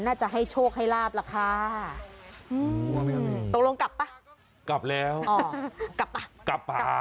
น่าจะให้โชคให้ลาบล่ะค่ะตกลงกลับป่ะ